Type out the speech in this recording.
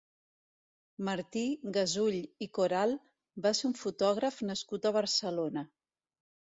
Martí Gasull i Coral va ser un fotògraf nascut a Barcelona.